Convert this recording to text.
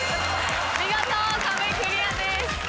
見事壁クリアです。